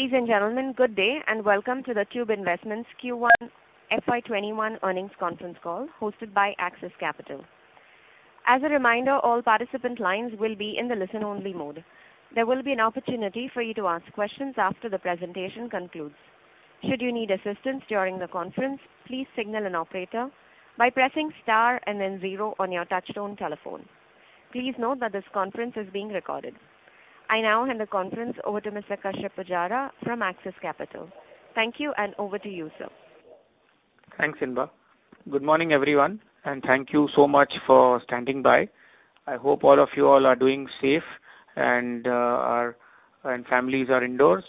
Ladies and gentlemen, good day, and welcome to the Tube Investments Q1 FY 2021 earnings conference call hosted by Axis Capital. As a reminder, all participant lines will be in the listen-only mode. There will be an opportunity for you to ask questions after the presentation concludes. Should you need assistance during the conference, please signal an operator by pressing star and then zero on your touchtone telephone. Please note that this conference is being recorded. I now hand the conference over to Mr. Kashyap Pujara from Axis Capital. Thank you. Over to you, sir. Thanks, Inba. Good morning, everyone, and thank you so much for standing by. I hope all of you are doing safe and families are indoors.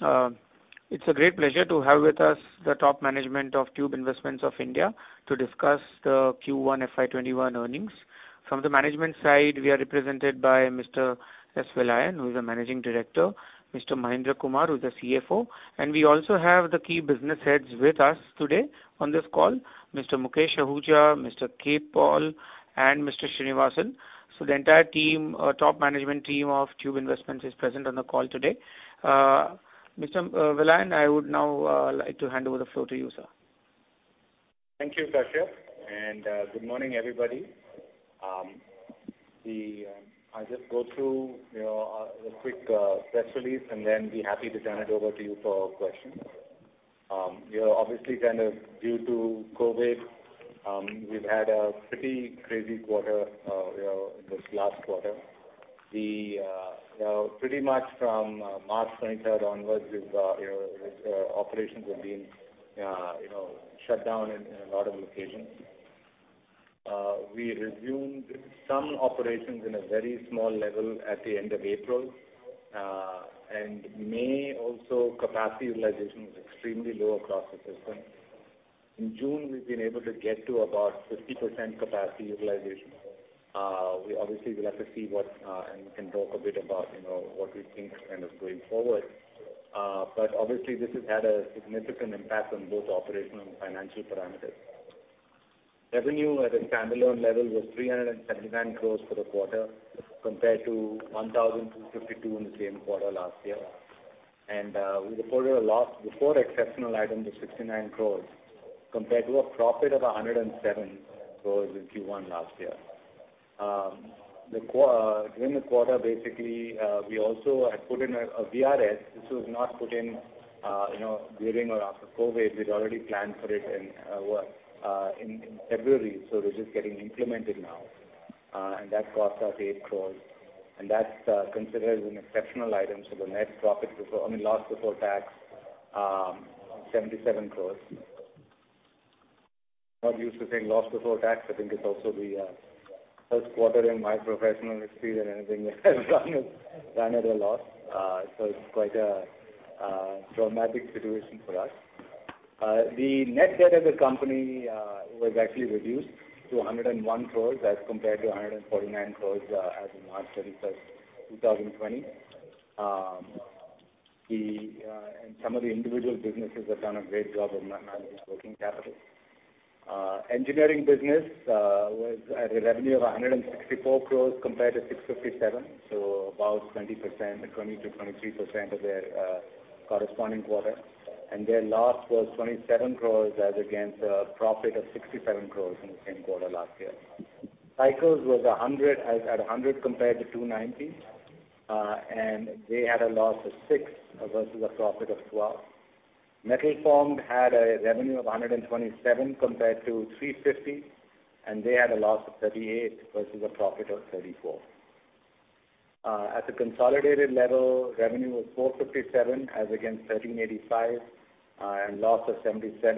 It's a great pleasure to have with us the top management of Tube Investments of India to discuss the Q1 FY 2021 earnings. From the management side, we are represented by Mr. Subbiah Vellayan, who is the Managing Director, Mr. Mahendra Kumar, who is the CFO, and we also have the key business heads with us today on this call, Mr. Mukesh Ahuja, Mr. K.K. Paul, and Mr. Srinivasan. The entire top management team of Tube Investments is present on the call today. Mr. Vellayan, I would now like to hand over the floor to you, sir. Thank you, Kashyap, and good morning, everybody. I'll just go through a quick press release and then be happy to turn it over to you for questions. Obviously, due to COVID, we've had a pretty crazy quarter this last quarter. Pretty much from March 23rd onwards, operations have been shut down in a lot of locations. We resumed some operations in a very small level at the end of April. May also, capacity utilization was extremely low across the system. In June, we've been able to get to about 50% capacity utilization. We obviously will have to see what, and we can talk a bit about what we think going forward. Obviously this has had a significant impact on both operational and financial parameters. Revenue at a standalone level was 379 crores for the quarter, compared to 1,252 in the same quarter last year. We reported a loss before exceptional items of 69 crores compared to a profit of 107 crores in Q1 last year. During the quarter, we also had put in a VRS. This was not put in during or after COVID. We'd already planned for it in February, this is getting implemented now. That cost us 8 crores, and that's considered an exceptional item. The net loss before tax, 77 crores. Not used to saying loss before tax. I think it's also the first quarter in my professional history that anything has run at a loss. It's quite a dramatic situation for us. The net debt of the company was reduced to 101 crores as compared to 149 crores as of March 31st, 2020. Some of the individual businesses have done a great job of now managing working capital. Engineering business was at a revenue of 164 crore compared to 657 crore, so about 20%-23% of their corresponding quarter. Their loss was 27 crore as against a profit of 67 crore in the same quarter last year. Cycles was at 100 crore compared to 290 crore, they had a loss of 6 crore versus a profit of 12 crore. Metal Formed had a revenue of 127 crore compared to 350 crore, they had a loss of 38 crore versus a profit of 34 crore. At the consolidated level, revenue was 457 crore as against 1,385 crore, loss of 77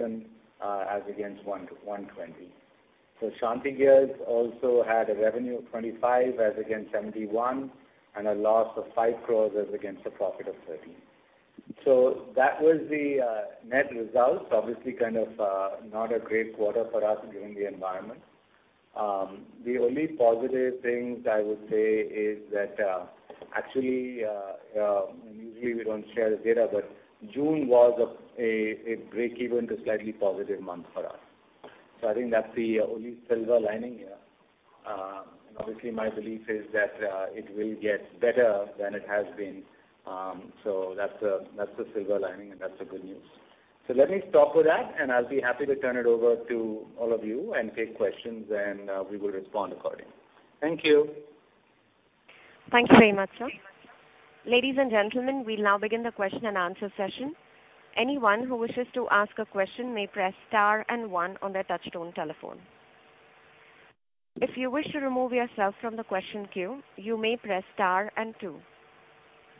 crore as against 120 crore. Shanthi Gears also had a revenue of 25 crore as against 71 crore, a loss of 5 crore as against a profit of 13 crore. That was the net results. Obviously not a great quarter for us given the environment. The only positive things I would say is that actually, usually we don't share the data, but June was a breakeven to slightly positive month for us. I think that's the only silver lining here. Obviously, my belief is that it will get better than it has been. That's the silver lining, and that's the good news. Let me stop with that, and I'll be happy to turn it over to all of you and take questions, and we will respond accordingly. Thank you. Thank you very much, sir. Ladies and gentlemen, we'll now begin the question and answer session. Anyone who wishes to ask a question may press star and one on their touchtone telephone. If you wish to remove yourself from the question queue, you may press star and two.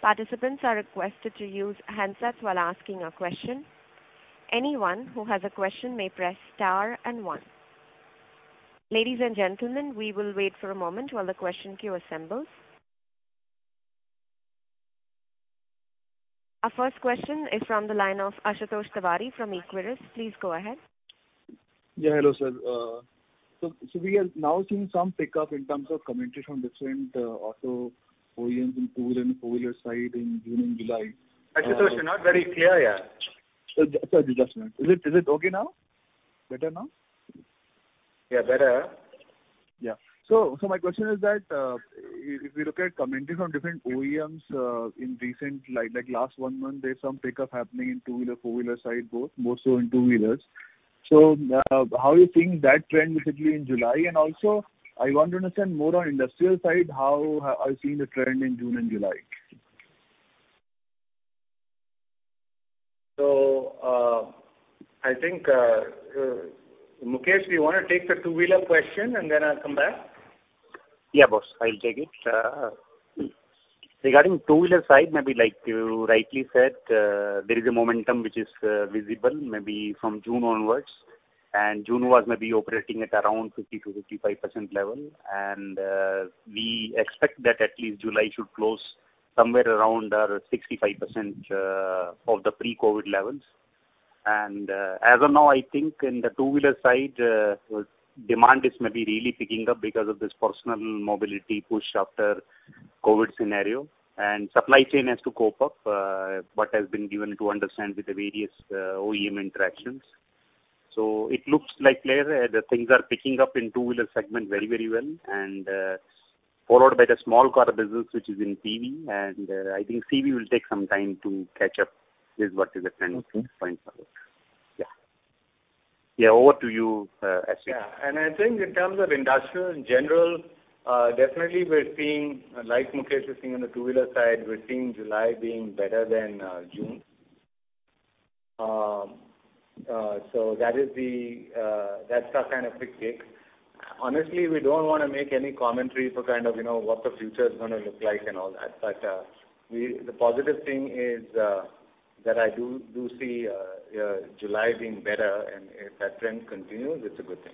Participants are requested to use handsets while asking a question. Anyone who has a question may press star and one. Ladies and gentlemen, we will wait for a moment while the question queue assembles. Our first question is from the line of Ashutosh Tiwari from Equirus. Please go ahead. Yeah, hello sir. We are now seeing some pickup in terms of commentary from different auto OEMs in two-wheeler side in June and July. Ashutosh, you're not very clear yet. Just a minute. Is it okay now? Better now? Yeah, better. Yeah. My question is that, if we look at commentary from different OEMs in recent, like last one month, there's some pickup happening in two-wheeler, four-wheeler side both, more so in two-wheelers. How you think that trend basically in July? I want to understand more on industrial side, how are you seeing the trend in June and July? I think, Mukesh, do you want to take the two-wheeler question and then I'll come back? Yeah, boss, I'll take it. Regarding two-wheeler side, maybe like you rightly said, there is a momentum which is visible maybe from June onwards, and June was maybe operating at around 50%-55% level. We expect that at least July should close somewhere around 65% of the pre-COVID levels. As of now, I think in the two-wheeler side, demand is maybe really picking up because of this personal mobility push after COVID scenario. Supply chain has to cope up, what has been given to understand with the various OEM interactions. It looks like, Clearly, the things are picking up in two-wheeler segment very well, and followed by the small car business which is in CV. I think CV will take some time to catch up with what is the trend going forward. Okay. Yeah. Over to you, Subbiah. Yeah. I think in terms of industrial in general, definitely we're seeing, like Mukesh is seeing on the two-wheeler side, we're seeing July being better than June. That's our kind of quick take. Honestly, we don't want to make any commentary for what the future's going to look like and all that. The positive thing is that I do see July being better, and if that trend continues, it's a good thing.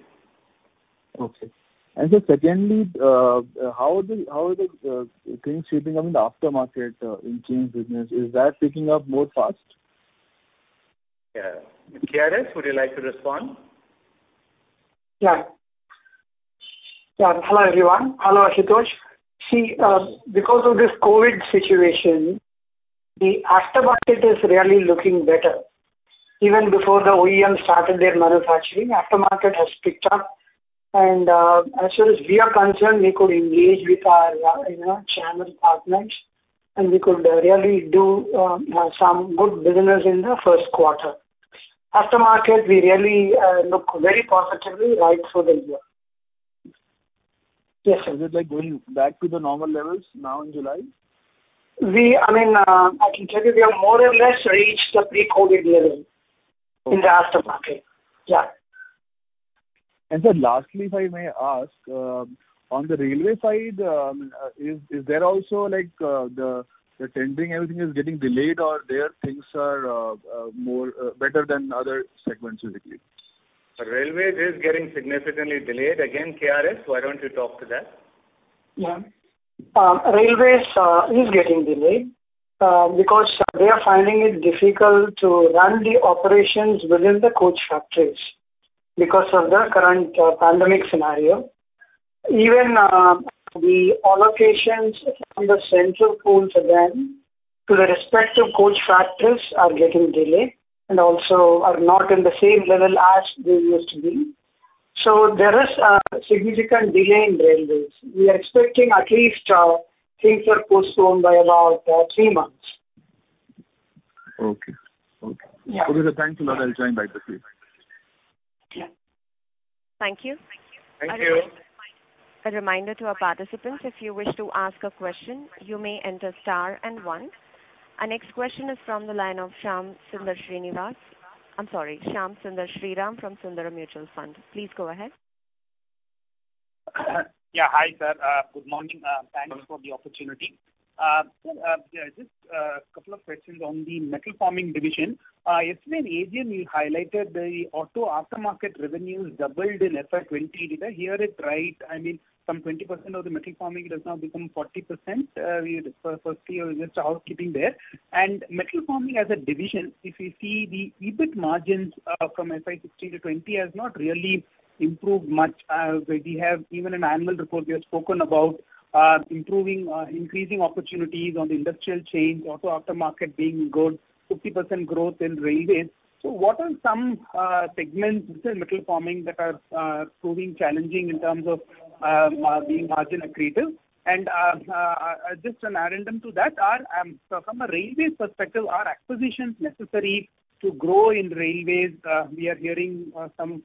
Okay. Sir, secondly, how are the things shaping up in the aftermarket in chain business? Is that picking up more fast? Yeah. K.R.S., would you like to respond? Hello, everyone. Hello, Ashutosh. Because of this COVID situation, the aftermarket is really looking better. Even before the OEM started their manufacturing, aftermarket has picked up. As far as we are concerned, we could engage with our channel partners, and we could really do some good business in the first quarter. Aftermarket, we really look very positively right through the year. Is it like going back to the normal levels now in July? I can tell you we have more or less reached the pre-COVID level in the aftermarket. Yeah. Sir, lastly, if I may ask, on the railway side, is there also the tendering, everything is getting delayed, or there things are better than other segments basically? Railways is getting significantly delayed. Again, K.R.S., why don't you talk to that? Yeah. Railways is getting delayed because they are finding it difficult to run the operations within the coach factories because of the current pandemic scenario. Even the allocations from the central pools again to the respective coach factories are getting delayed, and also are not in the same level as they used to be. There is a significant delay in railways. We are expecting at least things are postponed by about three months. Okay. Yeah. Okay, sir. Thanks a lot. I'll join back this week. Yeah. Thank you. Thank you. A reminder to our participants, if you wish to ask a question, you may enter star and one. Our next question is from the line of Shyam Sundar Sriram. I'm sorry, Shyam Sundar Sriram from Sundaram Mutual Fund. Please go ahead. Yeah. Hi, sir. Good morning. Thanks for the opportunity. Sir, just a couple of questions on the Metal Forming division. Yesterday in AGM, you highlighted the auto aftermarket revenues doubled in FY 2020. Did I hear it right? I mean, from 20% of the Metal Forming it has now become 40%? Firstly, just housekeeping there. Metal Forming as a division, if you see the EBIT margins from FY 2016 to FY 2020 has not really improved much. We have even in annual report, we have spoken about increasing opportunities on the industrial chain, auto aftermarket being good, 50% growth in railways. What are some segments within Metal Forming that are proving challenging in terms of being margin accretive? Just an addendum to that, from a railway perspective, are acquisitions necessary to grow in railways? We are hearing some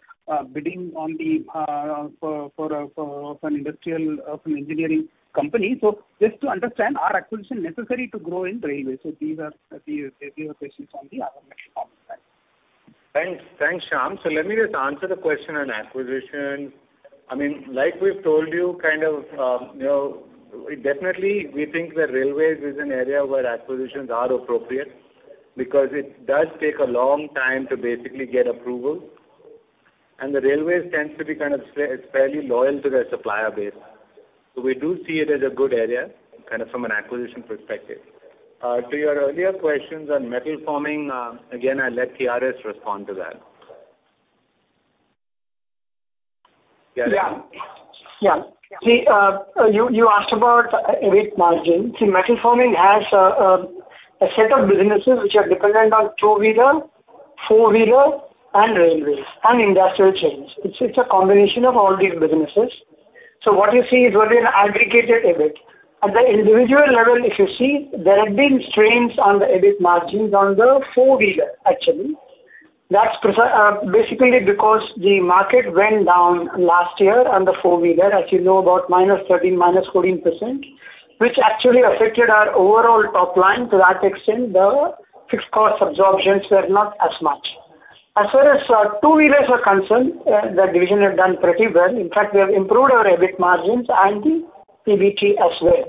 bidding for an industrial, from engineering company. Just to understand, are acquisitions necessary to grow in railway? These are the questions from the Metal Forming side. Thanks, Shyam. Let me just answer the question on acquisition. Like we've told you, definitely we think that railways is an area where acquisitions are appropriate because it does take a long time to basically get approval. The railways tends to be fairly loyal to their supplier base. We do see it as a good area from an acquisition perspective. To your earlier questions on Metal Forming, again, I'll let K.R.S. respond to that. K.R.S.? Yeah. You asked about EBIT margin. Metal Forming has a set of businesses which are dependent on two-wheeler, four-wheeler, and railways, and industrial chains. It's a combination of all these businesses. What you see is only an aggregated EBIT. At the individual level, if you see, there have been strains on the EBIT margins on the four-wheeler, actually. That's basically because the market went down last year on the four-wheeler, as you know, about -13%, -14%, which actually affected our overall top line. To that extent, the fixed cost absorptions were not as much. As far as two-wheelers are concerned, that division has done pretty well. In fact, we have improved our EBIT margins and the PBT as well.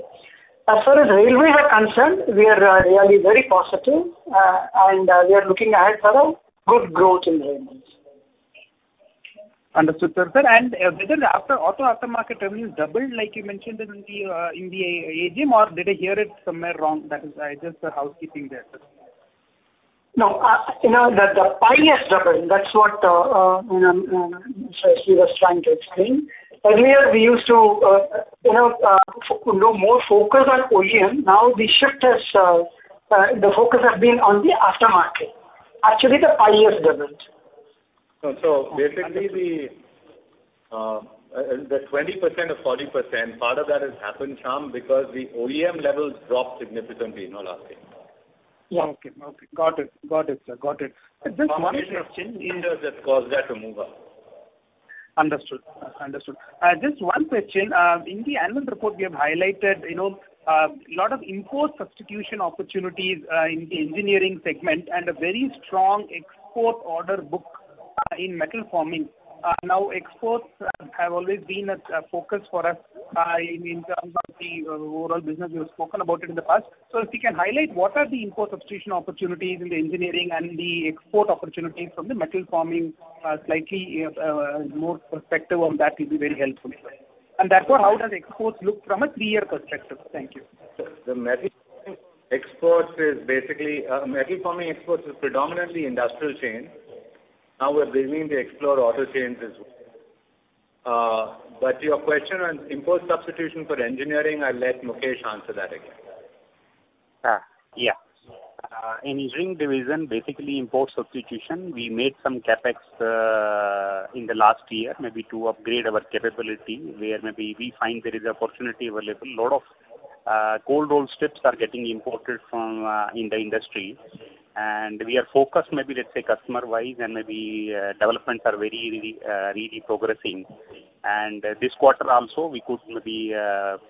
As far as railways are concerned, we are really very positive, and we are looking ahead for a good growth in railways. Understood, sir. Did the auto aftermarket earnings double like you mentioned in the AGM, or did I hear it somewhere wrong? That is just a housekeeping there. No. The pie has doubled. That's what Sri was trying to explain. Earlier, we used to do more focus on OEM. Now, the focus has been on the aftermarket. Actually, the pie has doubled. Basically, the 20%-40%, part of that has happened, Shyam, because the OEM levels dropped significantly in the last year. Yeah. Okay. Got it, sir. Got it. And that caused that to move up. Understood. Just one question. In the annual report, we have highlighted a lot of import substitution opportunities in the engineering segment and a very strong export order book in Metal Forming. Exports have always been a focus for us in terms of the overall business. We've spoken about it in the past. If you can highlight what are the import substitution opportunities in the engineering and the export opportunities from the Metal Forming, slightly more perspective on that will be very helpful, sir. Therefore, how does exports look from a three-year perspective? Thank you. The Metal Forming exports is predominantly industrial chains. Now we're beginning to explore auto chains as well. Your question on import substitution for engineering, I'll let Mukesh answer that again. Yeah. Engineering division, basically import substitution, we made some CapEx in the last year, maybe to upgrade our capability where maybe we find there is opportunity available. A lot of cold rolled strips are getting imported in the industry, and we are focused maybe let's say customer wise, and maybe developments are really progressing. This quarter also, we could maybe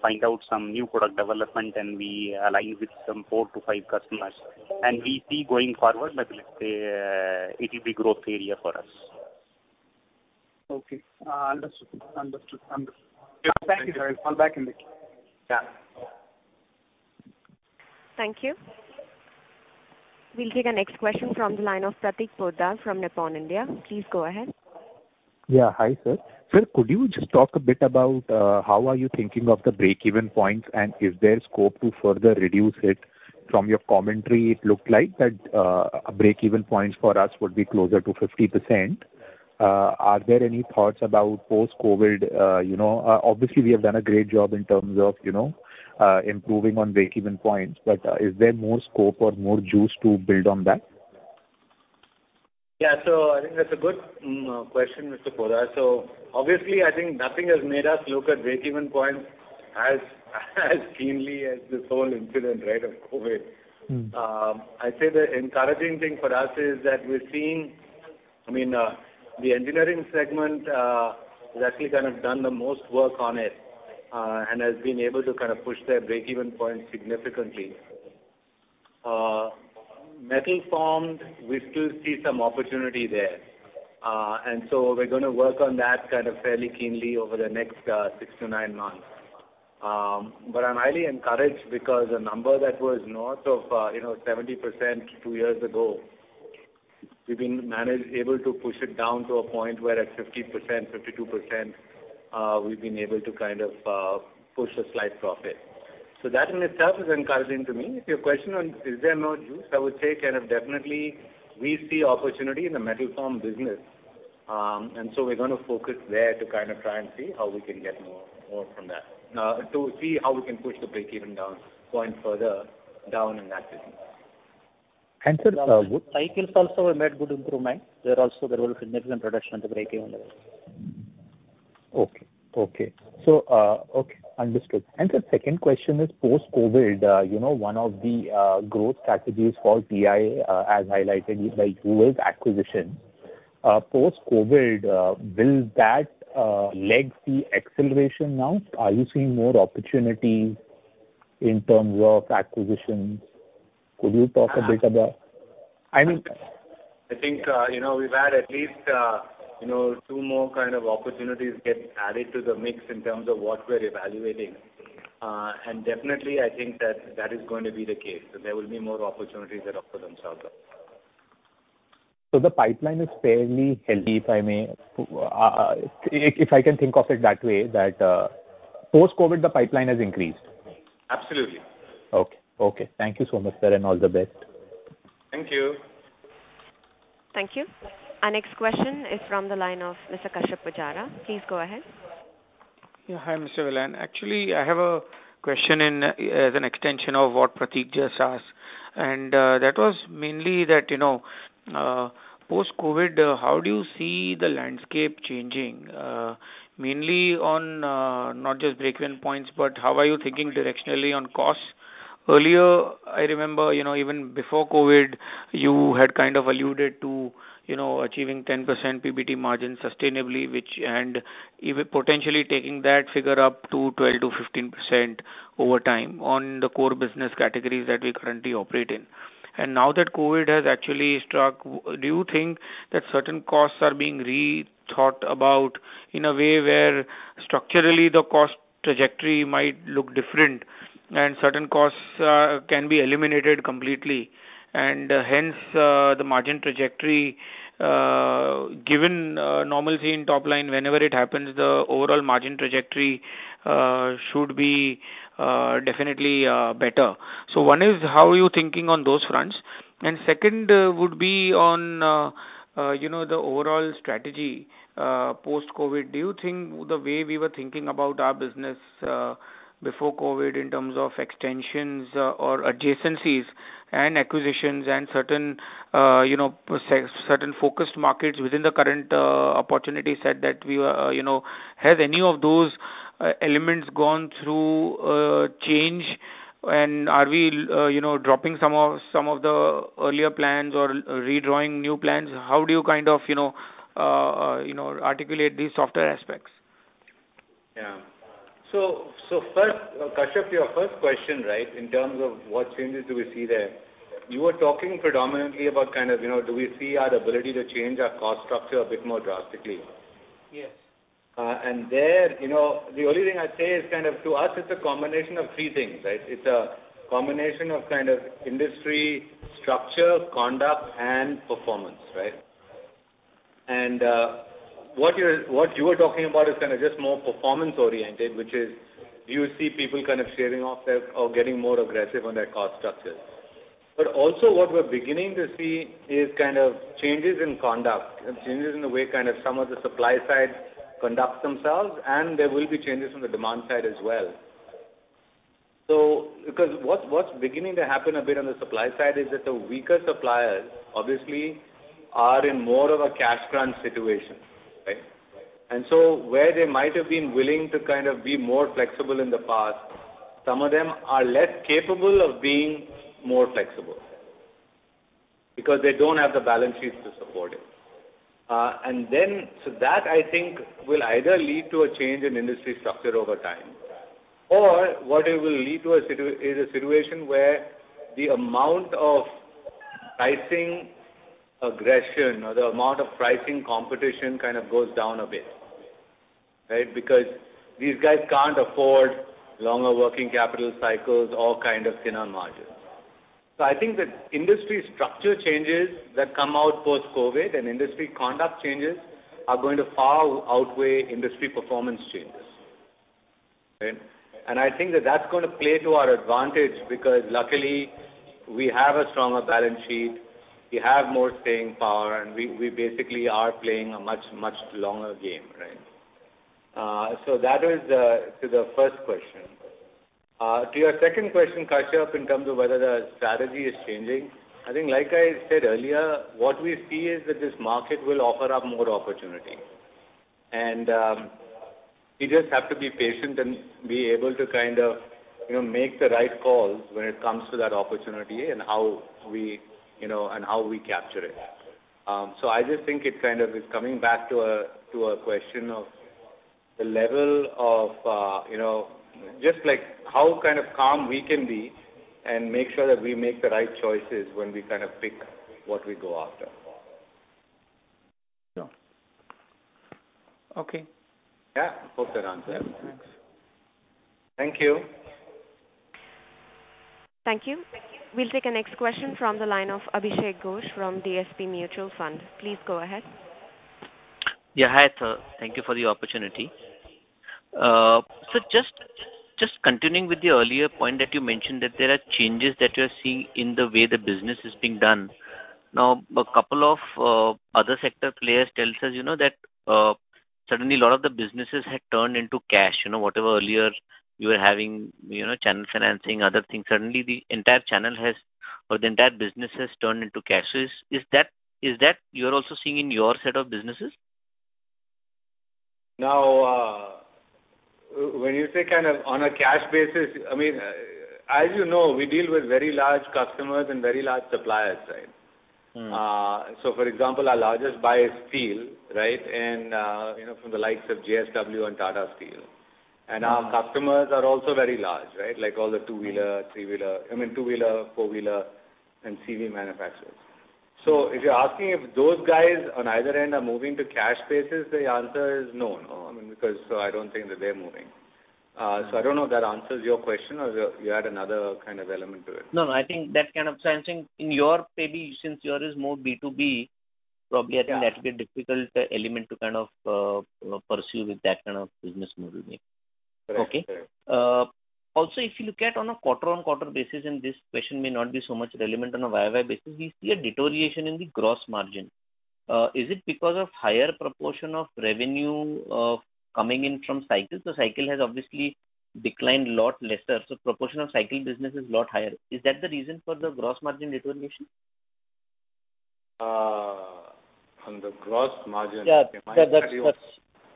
find out some new product development, and we align with some four to five customers. We see going forward, maybe let's say it will be growth area for us. Okay. Understood. Yes. Thank you. Thank you, sir. I'll call back in the Q&A. Yeah. Thank you. We'll take the next question from the line of Prateek Poddar from Nippon India. Please go ahead. Yeah. Hi, sir. Sir, could you just talk a bit about how are you thinking of the break-even points, and is there scope to further reduce it? From your commentary, it looked like that break-even points for us would be closer to 50%. Are there any thoughts about post-COVID? Obviously, we have done a great job in terms of improving on break-even points, but is there more scope or more juice to build on that? Yeah. I think that's a good question, Mr. Poddar. Obviously, I think nothing has made us look at break-even points as keenly as this whole incident of COVID. I'd say the encouraging thing for us is that we're seeing the engineering segment has actually kind of done the most work on it, and has been able to push their break-even point significantly. Metal Formed, we still see some opportunity there. We're going to work on that fairly keenly over the next six to nine months. I'm highly encouraged because a number that was north of 70% two years ago, we've been able to push it down to a point where at 50%, 52%, we've been able to kind of push a slight profit. That in itself is encouraging to me. To your question on is there more juice, I would say definitely, we see opportunity in the Metal Formed business. We're going to focus there to try and see how we can get more from that. To see how we can push the break-even point further down in that business. And sir- Cycles also have made good improvement. There also there will be significant reduction on the break-even level. Okay. Understood. Sir, second question is post-COVID, one of the growth strategies for TI, as highlighted by you, is acquisition. Post-COVID, will that leg see acceleration now? Are you seeing more opportunities in terms of acquisitions? Could you talk a bit about? I think we've had at least two more kind of opportunities get added to the mix in terms of what we're evaluating. Definitely, I think that is going to be the case, that there will be more opportunities that offer themselves up. The pipeline is fairly healthy, if I can think of it that way, that post-COVID, the pipeline has increased. Absolutely. Okay. Thank you so much, sir, and all the best. Thank you. Thank you. Our next question is from the line of Mr. Kashyap Pujara. Please go ahead. Yeah, hi, Mr. Vellayan. Actually, I have a question as an extension of what Prateek just asked, and that was mainly that, post-COVID, how do you see the landscape changing? Mainly on not just break-even points, but how are you thinking directionally on costs? Earlier, I remember, even before COVID, you had alluded to achieving 10% PBT margin sustainably, and even potentially taking that figure up to 12%-15% over time on the core business categories that we currently operate in. Now that COVID has actually struck, do you think that certain costs are being re-thought about in a way where structurally the cost trajectory might look different and certain costs can be eliminated completely, and hence, the margin trajectory, given normalcy in top line, whenever it happens, the overall margin trajectory should be definitely better. One is, how are you thinking on those fronts? Second would be on the overall strategy post-COVID. Do you think the way we were thinking about our business before COVID in terms of extensions or adjacencies and acquisitions and certain focused markets within the current opportunity set? Has any of those elements gone through a change, and are we dropping some of the earlier plans or redrawing new plans? How do you articulate these softer aspects? Yeah. First, Kashyap, your first question, in terms of what changes do we see there. You were talking predominantly about, do we see our ability to change our cost structure a bit more drastically? Yes. There, the only thing I'd say is, to us, it's a combination of three things, right? It's a combination of industry structure, conduct, and performance, right? What you were talking about is just more performance-oriented, which is, do you see people shaving off their, or getting more aggressive on their cost structures? Also what we're beginning to see is changes in conduct and changes in the way some of the supply side conduct themselves, and there will be changes from the demand side as well. What's beginning to happen a bit on the supply side is that the weaker suppliers, obviously, are in more of a cash crunch situation, right? Where they might have been willing to be more flexible in the past, some of them are less capable of being more flexible, because they don't have the balance sheets to support it. That, I think, will either lead to a change in industry structure over time or what it will lead to is a situation where the amount of pricing aggression or the amount of pricing competition goes down a bit. Right. Because these guys can't afford longer working capital cycles or thinner margins. I think the industry structure changes that come out post-COVID and industry conduct changes are going to far outweigh industry performance changes. Right. I think that that's gonna play to our advantage because luckily we have a stronger balance sheet, we have more staying power, and we basically are playing a much longer game, right. That is to the first question. To your second question, Kashyap, in terms of whether the strategy is changing, I think, like I said earlier, what we see is that this market will offer up more opportunity. We just have to be patient and be able to make the right calls when it comes to that opportunity and how we capture it. I just think it's coming back to a question of the level of just how calm we can be and make sure that we make the right choices when we pick what we go after. Sure. Okay. Yeah. Hope that answers. Thanks. Thank you. Thank you. We will take the next question from the line of Abhishek Ghosh from DSP Mutual Fund. Please go ahead. Yeah, hi, sir. Thank you for the opportunity. Sir, just continuing with the earlier point that you mentioned, that there are changes that you're seeing in the way the business is being done. Now, a couple of other sector players tell us that suddenly a lot of the businesses had turned into cash, whatever earlier you were having, channel financing, other things. Suddenly the entire channel has, or the entire business has turned into cash. Is that you're also seeing in your set of businesses? Now, when you say on a cash basis, as you know, we deal with very large customers and very large suppliers, right? For example, our largest buy is steel, right? From the likes of JSW and Tata Steel. Our customers are also very large, right? Like all the two-wheeler, four-wheeler, and CV manufacturers. If you're asking if those guys on either end are moving to cash basis, the answer is no. I don't think that they're moving. I don't know if that answers your question or you had another element to it. No, I think maybe since yours is more B2B, probably I think that'll be a difficult element to pursue with that kind of business model maybe. Correct. Okay. Also, if you look at on a quarter-on-quarter basis, and this question may not be so much relevant on a Y-O-Y basis, we see a deterioration in the gross margin. Is it because of higher proportion of revenue coming in from cycles? The cycle has obviously declined a lot lesser, proportion of cycle business is a lot higher. Is that the reason for the gross margin deterioration? On the gross margin.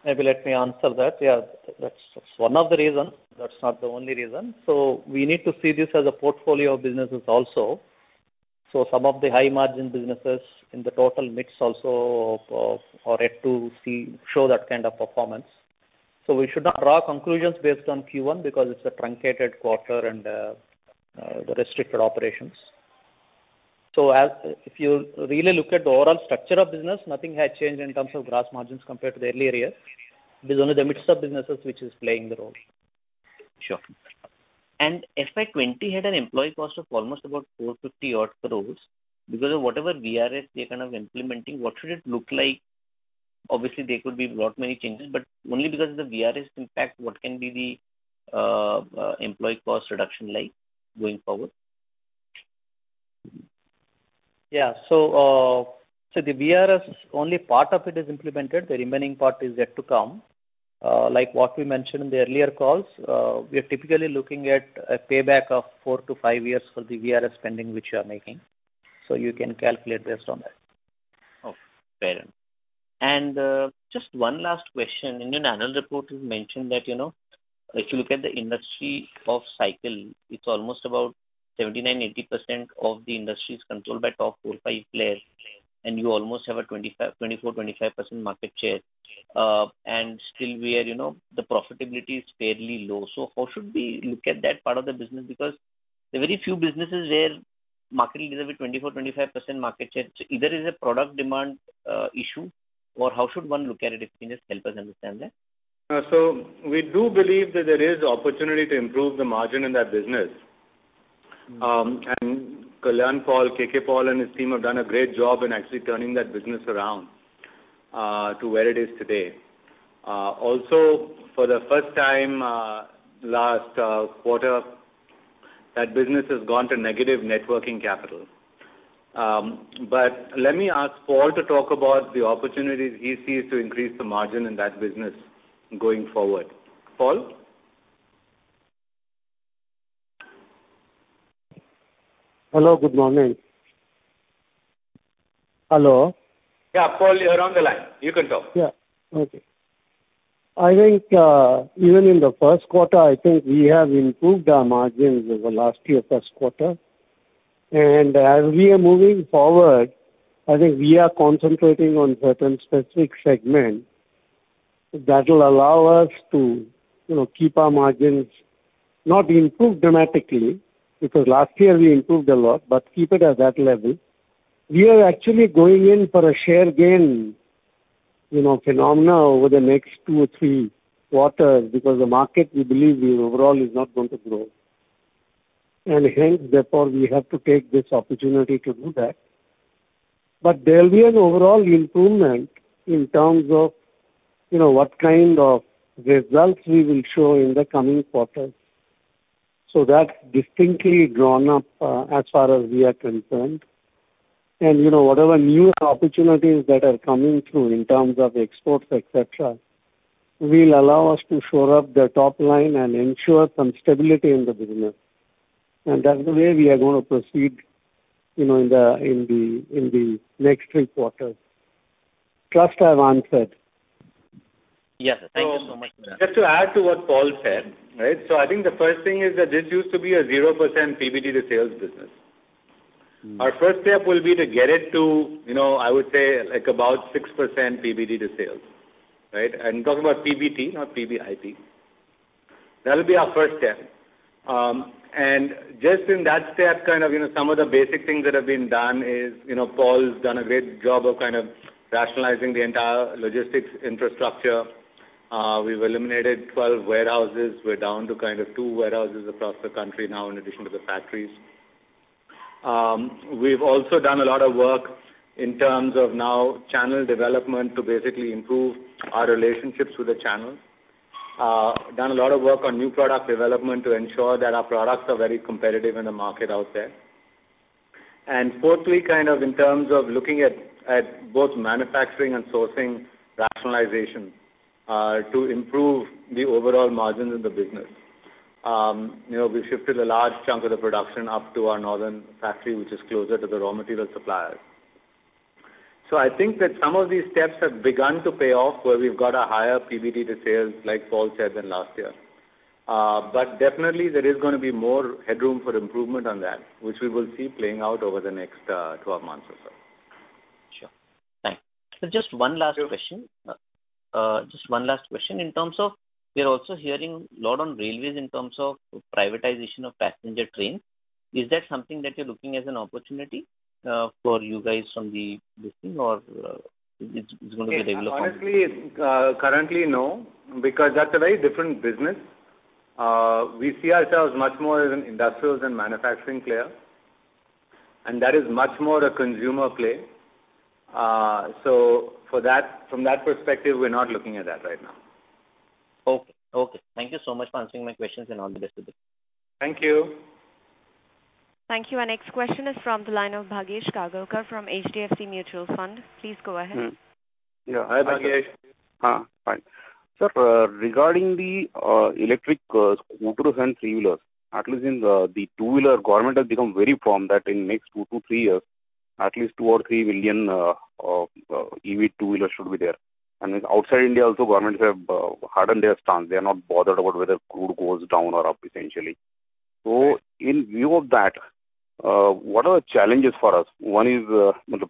Maybe let me answer that. Yeah, that's one of the reason. That's not the only reason. We need to see this as a portfolio of businesses also. Some of the high margin businesses in the total mix also are yet to show that kind of performance. We should not draw conclusions based on Q1 because it's a truncated quarter and the restricted operations. If you really look at the overall structure of business, nothing has changed in terms of gross margins compared to the earlier years. This is one of the midst of businesses which is playing the role. Sure. FY 2020 had an employee cost of almost about 450 odd crores because of whatever VRS they're implementing. What should it look like? Obviously, there could be lot many changes, but only because of the VRS impact, what can be the employee cost reduction like going forward? The VRS, only part of it is implemented. The remaining part is yet to come. Like what we mentioned in the earlier calls, we are typically looking at a payback of four to five years for the VRS spending which we are making. You can calculate based on that. Okay, fair enough. Just one last question. In your annual report, you mentioned that if you look at the industry of cycle, it's almost about 79%-80% of the industry is controlled by top four, five players, and you almost have a 24%-25% market share. Still, the profitability is fairly low. How should we look at that part of the business? Because there are very few businesses where market will deliver 24%-25% market share. Either is a product demand issue or how should one look at it, if you can just help us understand that. We do believe that there is opportunity to improve the margin in that business. Kalyan Paul, K.K. Paul, and his team have done a great job in actually turning that business around to where it is today. For the first time last quarter, that business has gone to negative net working capital. Let me ask Paul to talk about the opportunities he sees to increase the margin in that business going forward. Paul? Hello, good morning. Hello? Yeah, Paul, you're on the line. You can talk. Yeah. Okay. I think even in the first quarter, I think we have improved our margins over last year first quarter. As we are moving forward, I think we are concentrating on certain specific segments that will allow us to keep our margins, not improve dramatically, because last year we improved a lot, but keep it at that level. We are actually going in for a share gain phenomena over the next two or three quarters because the market, we believe, overall is not going to grow. Hence, therefore, we have to take this opportunity to do that. There will be an overall improvement in terms of what kind of results we will show in the coming quarters. That's distinctly drawn up as far as we are concerned. Whatever new opportunities that are coming through in terms of exports, et cetera, will allow us to shore up the top line and ensure some stability in the business. That's the way we are going to proceed in the next three quarters. Trust I've answered. Yes. Thank you so much. Just to add to what Paul said, I think the first thing is that this used to be a 0% PBT to sales business. Our first step will be to get it to, I would say, like about 6% PBT to sales. Right? I'm talking about PBT, not PBIT. That will be our first step. Just in that step, some of the basic things that have been done is, Paul's done a great job of rationalizing the entire logistics infrastructure. We've eliminated 12 warehouses. We're down to two warehouses across the country now in addition to the factories. We've also done a lot of work in terms of now channel development to basically improve our relationships with the channels. We've done a lot of work on new product development to ensure that our products are very competitive in the market out there. Fourthly, in terms of looking at both manufacturing and sourcing rationalization to improve the overall margins in the business. We shifted a large chunk of the production up to our northern factory, which is closer to the raw material suppliers. I think that some of these steps have begun to pay off where we've got a higher PBT to sales, like Paul said, than last year. Definitely, there is going to be more headroom for improvement on that, which we will see playing out over the next 12 months or so. Sure. Thanks. Sir, just one last question. In terms of, we're also hearing a lot on railways in terms of privatization of passenger trains. Is that something that you're looking as an opportunity for you guys from the listing or it's going to be a regular. Honestly, currently, no, because that's a very different business. We see ourselves much more as an industrials and manufacturing player. That is much more a consumer play. From that perspective, we're not looking at that right now. Okay. Thank you so much for answering my questions and all the best with it. Thank you. Thank you. Our next question is from the line of Bhagyesh Kagalkar from HDFC Mutual Fund. Please go ahead. Yeah. Hi, Bhagyesh. Hi. Sir, regarding the electric scooters and three-wheelers, at least in the two-wheeler, government has become very firm that in next two to three years, at least 2 or 3 million EV two-wheeler should be there. Outside India also, governments have hardened their stance. They are not bothered about whether crude goes down or up, essentially. In view of that, what are the challenges for us? One is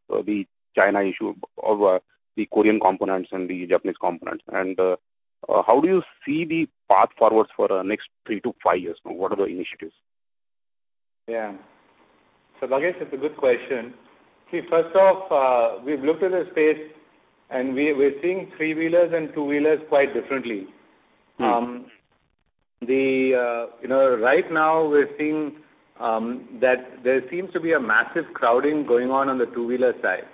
the China issue or the Korean components and the Japanese components. How do you see the path forward for next three to five years? What are the initiatives? Yeah. Bhagyesh, it's a good question. See, first off, we've looked at the space, and we're seeing three-wheelers and two-wheelers quite differently. Right now we're seeing that there seems to be a massive crowding going on the two-wheeler side.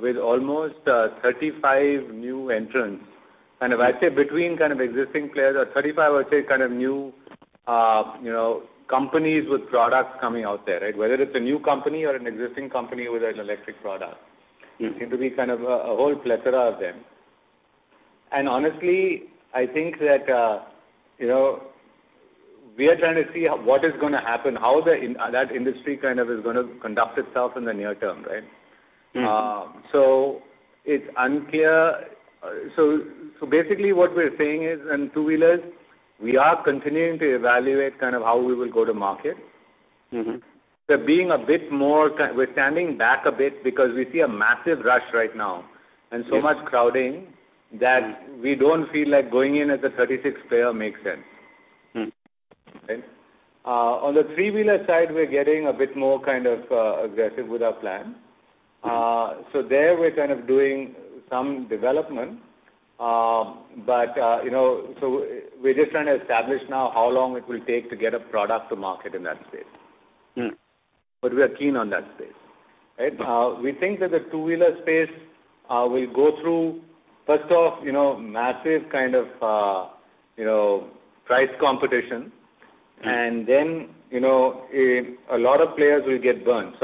With almost 35 new entrants. If I say between existing players or 35, I'd say, new companies with products coming out there, right? Whether it's a new company or an existing company with an electric product. Seem to be a whole plethora of them. Honestly, I think that we are trying to see what is going to happen, how that industry is going to conduct itself in the near term, right? It's unclear. Basically what we're saying is, in two-wheelers, we are continuing to evaluate how we will go to market. We're standing back a bit because we see a massive rush right now. Yes Much crowding that we don't feel like going in as a 36th player makes sense. Right. On the three-wheeler side, we're getting a bit more aggressive with our plan. There, we're doing some development. We're just trying to establish now how long it will take to get a product to market in that space. We are keen on that space. Right? Yeah. We think that the two-wheeler space will go through, first off, massive price competition. A lot of players will get burned.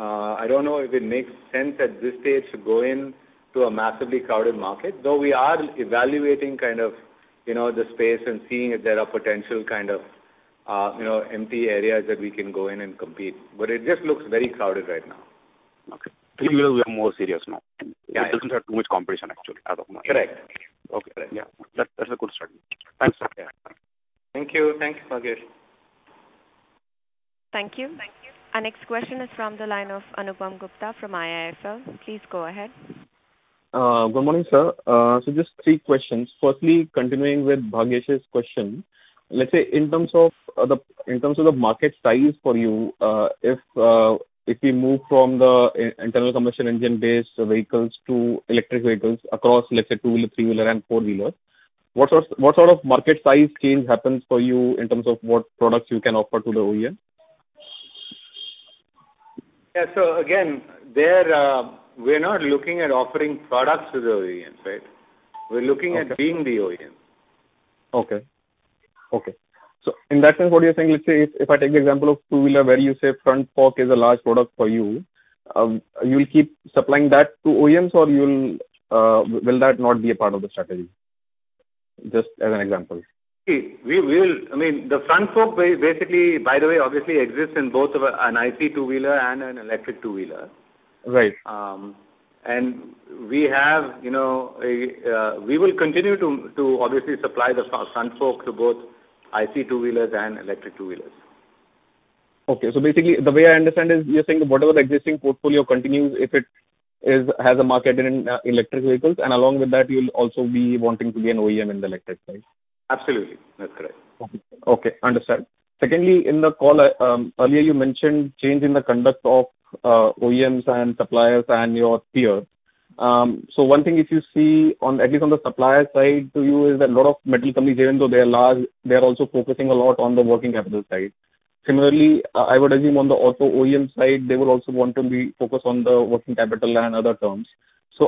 I don't know if it makes sense at this stage to go into a massively crowded market, though we are evaluating the space and seeing if there are potential empty areas that we can go in and compete. It just looks very crowded right now. Okay. Three-wheeler, we are more serious now. Yeah. It doesn't have too much competition, actually, at the moment. Correct. Okay. Yeah. That's a good strategy. Thanks, sir. Yeah. Thank you, Bhagyesh. Thank you. Our next question is from the line of Anupam Gupta from IIFL. Please go ahead. Good morning, sir. Just three questions. Firstly, continuing with Bhagyesh's question, let's say in terms of the market size for you, if we move from the internal combustion engine-based vehicles to electric vehicles across, let's say, two-wheeler, three-wheeler, and four-wheeler, what sort of market size change happens for you in terms of what products you can offer to the OEM? Yeah, again, we're not looking at offering products to the OEMs, right? Okay Being the OEM. Okay. In that sense, what you're saying, let's say if I take the example of two-wheeler where you say front fork is a large product for you'll keep supplying that to OEMs or will that not be a part of the strategy? Just as an example. See, the front fork basically, by the way, obviously exists in both an IC two-wheeler and an electric two-wheeler. Right. We will continue to obviously supply the front fork to both IC two-wheelers and electric two-wheelers. Okay. Basically, the way I understand is you're saying whatever the existing portfolio continues, if it has a market in electric vehicles, and along with that, you'll also be wanting to be an OEM in the electric side. Absolutely. That's correct. Okay. Understood. In the call, earlier you mentioned change in the conduct of OEMs and suppliers and your peers. One thing if you see, at least on the supplier side to you is that a lot of metal companies, even though they are large, they are also focusing a lot on the working capital side. I would assume on the auto OEM side, they will also want to be focused on the working capital and other terms.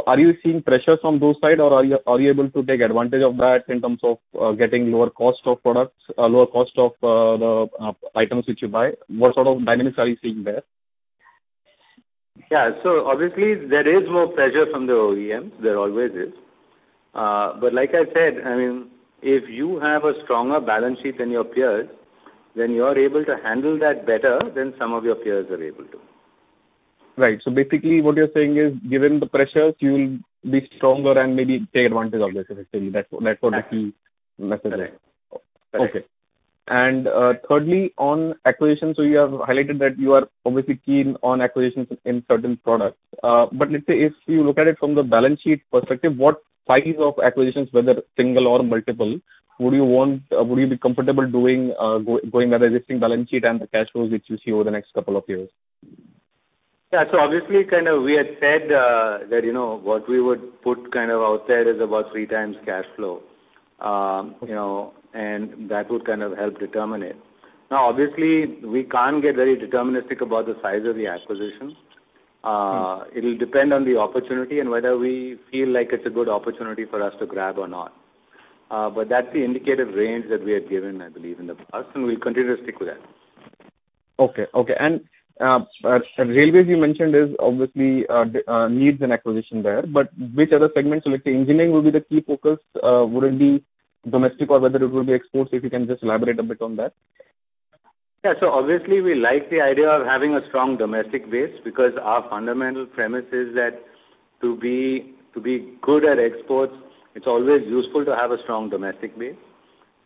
Are you seeing pressures from those sides or are you able to take advantage of that in terms of getting lower cost of products or lower cost of the items which you buy? What sort of dynamics are you seeing there? Yeah. Obviously there is more pressure from the OEMs. There always is. Like I said, if you have a stronger balance sheet than your peers, then you're able to handle that better than some of your peers are able to. Right. Basically what you're saying is, given the pressures, you'll be stronger and maybe take advantage of this effectively. That's what? Exactly The key message is. Correct. Okay. Thirdly, on acquisitions, so you have highlighted that you are obviously keen on acquisitions in certain products. Let's say if you look at it from the balance sheet perspective, what size of acquisitions, whether single or multiple, would you be comfortable doing, going by the existing balance sheet and the cash flows which you see over the next couple of years? Yeah. Obviously, we had said that what we would put out there is about three times cash flow, and that would help determine it. Now, obviously, we can't get very deterministic about the size of the acquisition. It'll depend on the opportunity and whether we feel like it's a good opportunity for us to grab or not. That's the indicated range that we have given, I believe, in the past, and we'll continue to stick with that. Okay. Railways you mentioned obviously needs an acquisition there, which other segments? Let's say engineering will be the key focus. Would it be domestic or whether it will be exports? If you can just elaborate a bit on that. Yeah. Obviously we like the idea of having a strong domestic base because our fundamental premise is that to be good at exports, it's always useful to have a strong domestic base.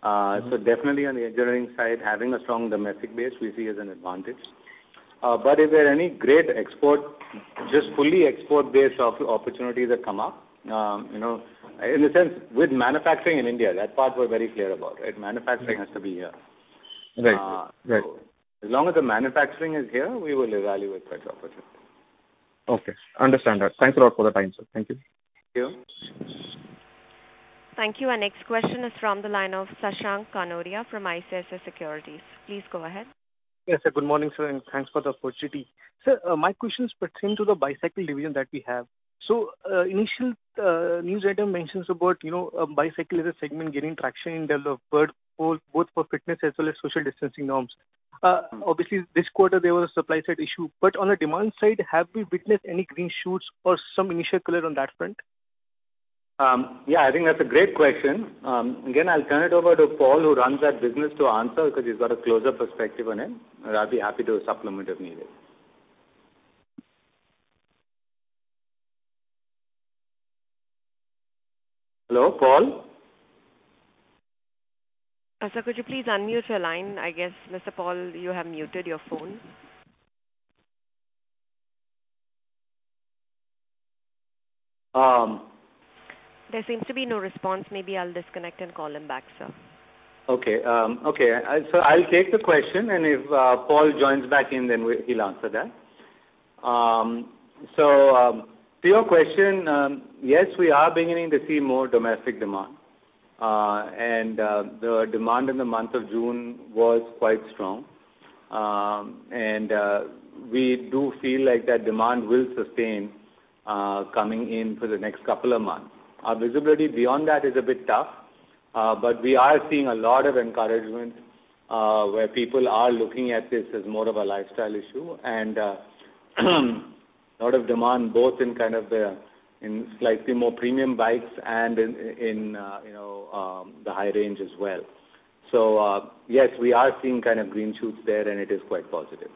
Definitely on the engineering side, having a strong domestic base we see as an advantage. If there are any great export, just fully export-based opportunities that come up, in a sense with manufacturing in India, that part we're very clear about. Manufacturing has to be here. Right. As long as the manufacturing is here, we will evaluate such opportunities. Okay, understand that. Thanks a lot for the time, sir. Thank you. Thank you. Thank you. Our next question is from the line of Shashank Kanodia from ICICI Securities. Please go ahead. Yes, sir. Good morning, sir, and thanks for the opportunity. Sir, my question pertain to the bicycle division that we have. Initial news item mentions about bicycle as a segment gaining traction in the world both for fitness as well as social distancing norms. Obviously, this quarter, there was a supply side issue. On the demand side, have we witnessed any green shoots or some initial color on that front? Yeah, I think that's a great question. Again, I'll turn it over to Paul, who runs that business, to answer because he's got a closer perspective on it, and I'll be happy to supplement if needed. Hello, Paul? Sir, could you please unmute your line? I guess, Mr. Paul, you have muted your phone. There seems to be no response. Maybe I'll disconnect and call him back, sir. Okay. I'll take the question, and if Paul joins back in, then he'll answer that. To your question, yes, we are beginning to see more domestic demand. The demand in the month of June was quite strong. We do feel like that demand will sustain coming in for the next couple of months. Our visibility beyond that is a bit tough, but we are seeing a lot of encouragement, where people are looking at this as more of a lifestyle issue and a lot of demand both in slightly more premium bikes and in the high range as well. Yes, we are seeing green shoots there, and it is quite positive.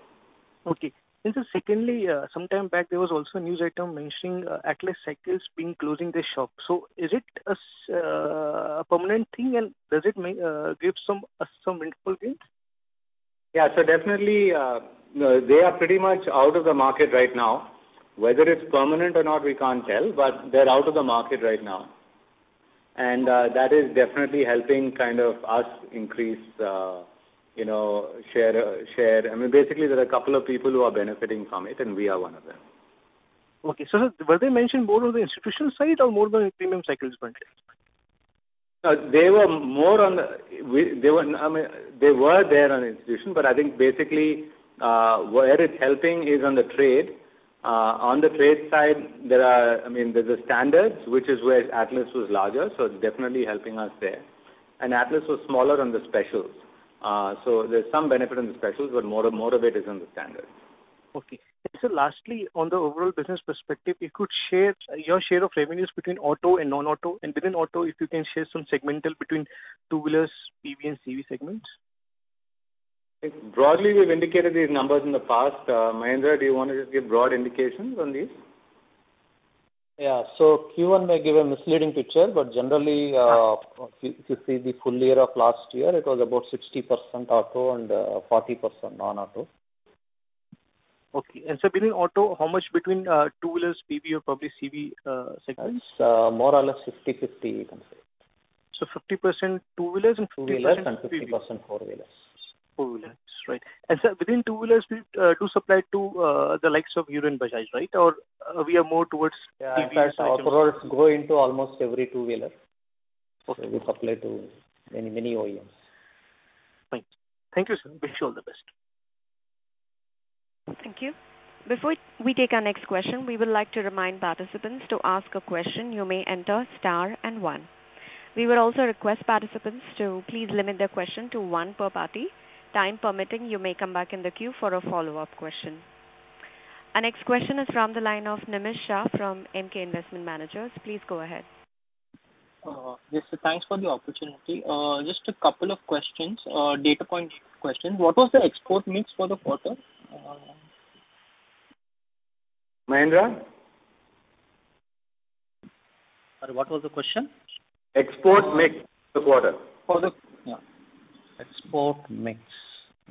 Okay. Sir, secondly, sometime back, there was also a news item mentioning Atlas Cycles closing their shop. Is it a permanent thing, and does it give us some meaningful gains? Yeah. Definitely, they are pretty much out of the market right now. Whether it's permanent or not, we can't tell, but they're out of the market right now. That is definitely helping us increase share. Basically, there are a couple of people who are benefiting from it, and we are one of them. Okay. Sir, were they mentioned more on the institutional side or more on the premium cycles front? They were there on institution. I think basically, where it's helping is on the trade. On the trade side, there's a standard, which is where Atlas was larger, so it's definitely helping us there. Atlas was smaller on the specials. There's some benefit on the specials, but more of it is on the standard. Okay. Sir, lastly, on the overall business perspective, if you could share your share of revenues between auto and non-auto, and within auto, if you can share some segmental between two-wheelers, PV, and CV segments? Broadly, we've indicated these numbers in the past. Mahendra, do you want to just give broad indications on these? Yeah. Q1 may give a misleading picture, but generally, if you see the full year of last year, it was about 60% auto and 40% non-auto. Okay. Sir, within auto, how much between two-wheelers, PV or probably CV segments? More or less 50/50, you can say. 50% two-wheelers and 50% CV. Two wheelers and 50% four-wheelers. Four-wheelers. Right. Sir, within two-wheelers, we do supply to the likes of Hero and Bajaj, right? Or we are more towards CVs? Yeah. Our products go into almost every two-wheeler. Okay. We supply to many OEMs. Thanks. Thank you, sir. Wish you all the best. Thank you. Before we take our next question, we would like to remind participants to ask a question, you may enter star and one. We would also request participants to please limit their question to one per party. Time permitting, you may come back in the queue for a follow-up question. Our next question is from the line of Nemish Shah from Emkay Investment Managers. Please go ahead. Yes, sir. Thanks for the opportunity. Just a couple of questions, data point questions. What was the export mix for the quarter? Mahendra? Sorry, what was the question? Export mix for the quarter. Yeah. Export mix.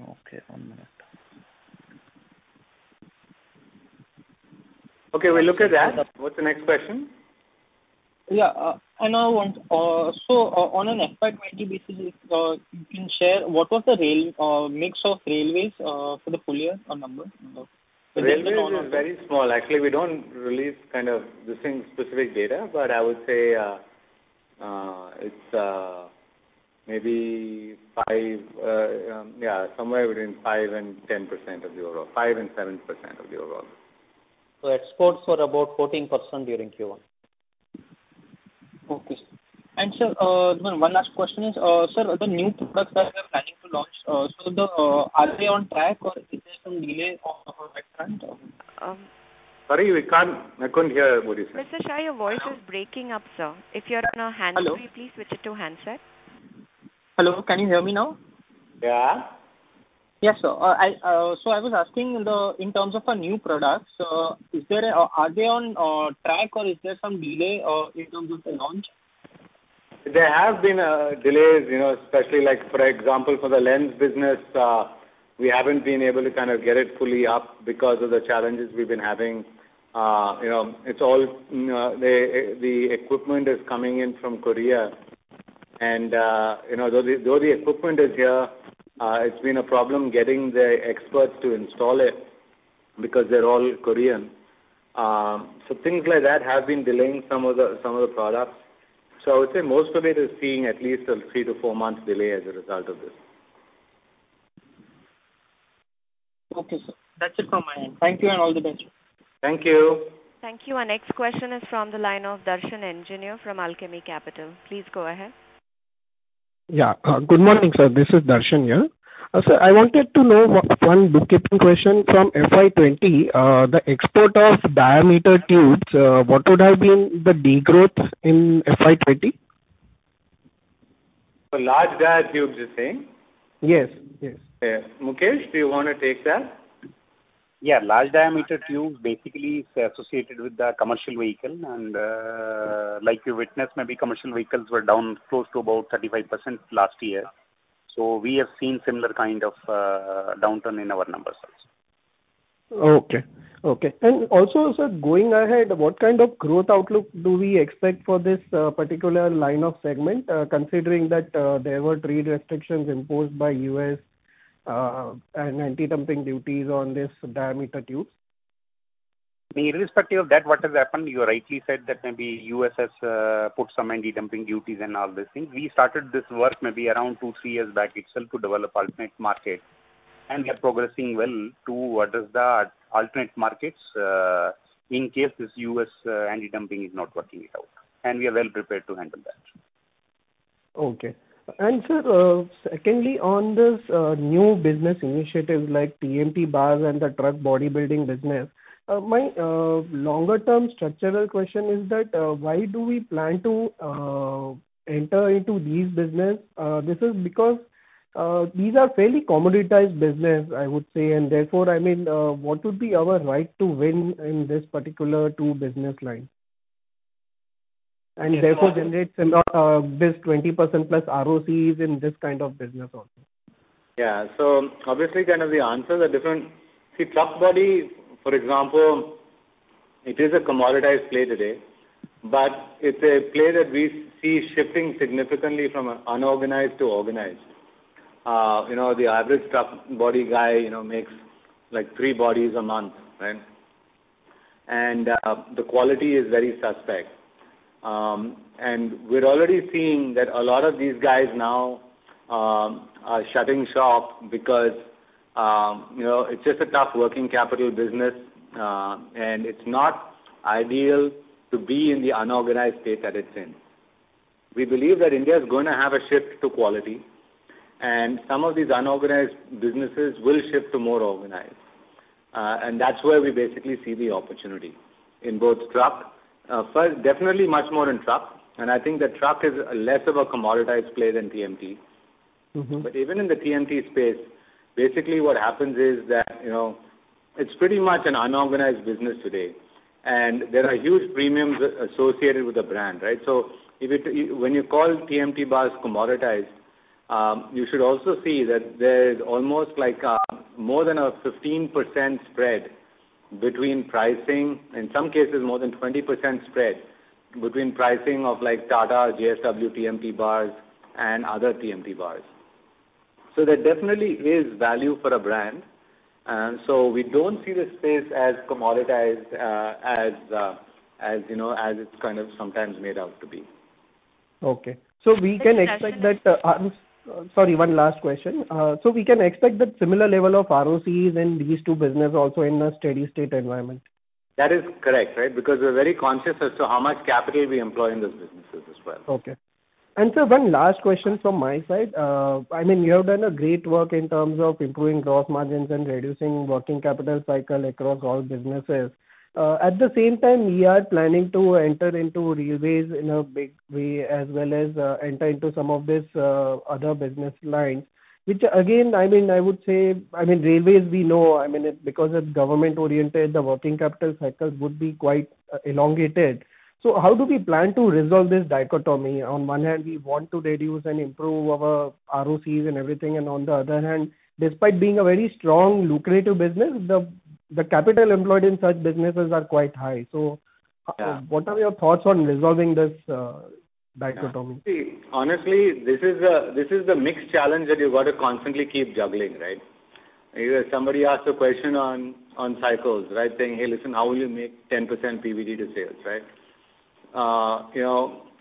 Okay, one minute. Okay, we'll look at that. What's the next question? Yeah. On an FY 2020 basis, if you can share what was the mix of railways for the full year or number? Railways is very small. Actually, we don't release this specific data, but I would say it's maybe five. Yeah, somewhere within 5% and 10% of the overall, 5% and 7% of the overall. Exports were about 14% during Q1. Okay. Sir, one last question is, sir, the new products that you are planning to launch, are they on track or is there some delay on that front? Sorry, I couldn't hear what you said. Mr. Shah, your voice is breaking up, sir. If you're on a handset, could you please switch it to handset? Hello, can you hear me now? Yeah. Yeah, sir. I was asking in terms of new products, are they on track or is there some delay in terms of the launch? There have been delays, especially like, for example, for the lens business, we haven't been able to get it fully up because of the challenges we've been having. The equipment is coming in from Korea and though the equipment is here, it's been a problem getting their experts to install it because they're all Korean. Things like that have been delaying some of the products. I would say most of it is seeing at least a three to four-month delay as a result of this. Okay, sir. That's it from my end. Thank you and all the best. Thank you. Thank you. Our next question is from the line of Darshan Engineer from Alchemy Capital. Please go ahead. Yeah. Good morning, sir. This is Darshan here. Sir, I wanted to know one bookkeeping question from FY 2020. The export of diameter tubes, what would have been the degrowth in FY 2020? For large dia tubes, you're saying? Yes. Okay. Mukesh, do you want to take that? Yeah. Large diameter tubes basically is associated with the commercial vehicle, and like you witnessed, maybe commercial vehicles were down close to about 35% last year. We have seen similar kind of downturn in our numbers also. Okay. Also, sir, going ahead, what kind of growth outlook do we expect for this particular line of segment, considering that there were trade restrictions imposed by U.S., and anti-dumping duties on this diameter tubes? Irrespective of that, what has happened, you rightly said that maybe U.S. has put some anti-dumping duties and all these things. We started this work maybe around two, three years back itself to develop alternate market, and we are progressing well to what is the alternate markets, in case this U.S. anti-dumping is not working it out. We are well prepared to handle that. Okay. sir, secondly, on this new business initiative, like TMT bars and the truck bodybuilding business, my longer-term structural question is that, why do we plan to enter into these businesses? This is because these are fairly commoditized businesses, I would say, therefore, what would be our right to win in this particular two business lines? Therefore generate this 20%+ ROCs in this kind of businesses also. Yeah. Obviously, the answers are different. See, truck body, for example, it is a commoditized play today, but it's a play that we see shifting significantly from unorganized to organized. The average truck body guy makes three bodies a month, right? The quality is very suspect. We're already seeing that a lot of these guys now are shutting shop because it's just a tough working capital business, and it's not ideal to be in the unorganized state that it's in. We believe that India is going to have a shift to quality, and some of these unorganized businesses will shift to more organized. That's where we basically see the opportunity in both truck. First, definitely much more in truck, and I think the truck is less of a commoditized play than TMT. Even in the TMT space, basically what happens is that it's pretty much an unorganized business today, and there are huge premiums associated with the brand, right? When you call TMT bars commoditized, you should also see that there's almost like more than a 15% spread between pricing. In some cases, more than 20% spread between pricing of like Tata, JSW TMT bars and other TMT bars. There definitely is value for a brand. We don't see the space as commoditized as it's kind of sometimes made out to be. Okay. Sorry, one last question. We can expect that similar level of ROCs in these two businesses also in a steady state environment? That is correct, right? Because we're very conscious as to how much capital we employ in those businesses as well. Okay. Sir, one last question from my side. You have done a great work in terms of improving gross margins and reducing working capital cycle across all businesses. At the same time, we are planning to enter into railways in a big way, as well as enter into some of this other business lines, which again, I would say, railways we know, because it's government-oriented, the working capital cycle would be quite elongated. How do we plan to resolve this dichotomy? On one hand, we want to reduce and improve our ROCs and everything, and on the other hand, despite being a very strong, lucrative business, the capital employed in such businesses are quite high. Yeah. What are your thoughts on resolving this dichotomy? Honestly, this is the mixed challenge that you've got to constantly keep juggling. Somebody asked a question on cycles, saying, "Hey, listen, how will you make 10% PBT to sales?"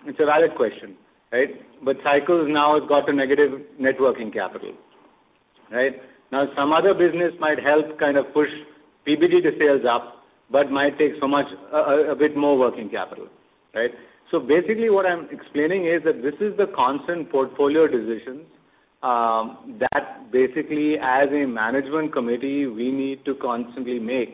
It's a valid question. Cycles now have got a negative net working capital. Some other business might help push PBT to sales up, but might take a bit more working capital. Basically what I'm explaining is that this is the constant portfolio decisions that basically, as a management committee, we need to constantly make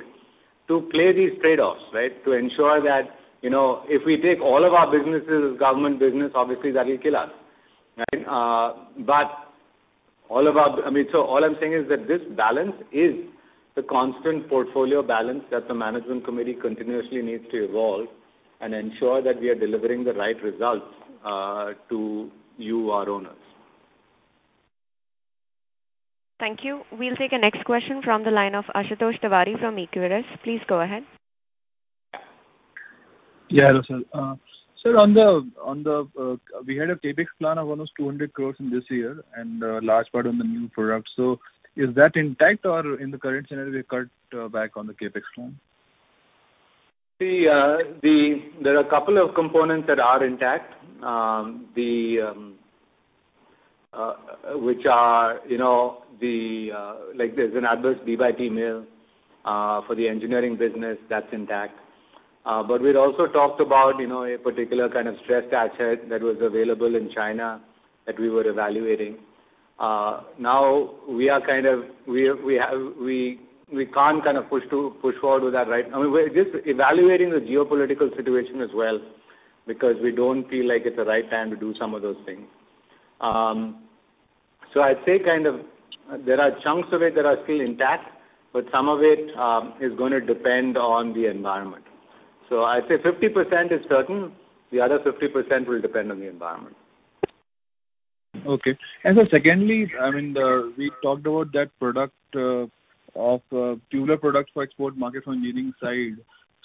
to play these trade-offs. To ensure that if we take all of our businesses as government business, obviously that will kill us. All I'm saying is that this balance is the constant portfolio balance that the management committee continuously needs to evolve and ensure that we are delivering the right results to you, our owners. Thank you. We'll take the next question from the line of Ashutosh Tiwari from Equirus. Please go ahead. Yeah, hello sir. Sir, we had a CapEx plan of almost 200 crore in this year, and a large part on the new product. Is that intact or in the current scenario, we cut back on the CapEx plan? There are a couple of components that are intact, like there's an adverse BYD mill for the engineering business that's intact. We'd also talked about a particular kind of stressed asset that was available in China that we were evaluating. Now we can't push forward with that right now. We're just evaluating the geopolitical situation as well, because we don't feel like it's the right time to do some of those things. I'd say there are chunks of it that are still intact, but some of it is going to depend on the environment. I'd say 50% is certain. The other 50% will depend on the environment. Okay. Sir, secondly, we talked about that tubular product for export market on engineering side.